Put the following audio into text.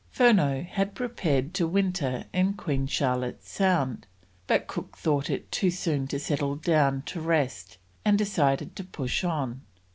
Furneaux had prepared to winter in Queen Charlotte's Sound, but Cook thought it too soon to settle down to rest and decided to push on.